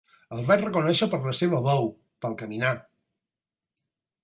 El vaig reconèixer per la seva veu, pel caminar.